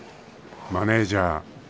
［マネジャー］